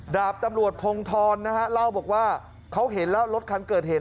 ดาบตำรวจพงธรนะฮะเล่าบอกว่าเขาเห็นแล้วรถคันเกิดเหตุ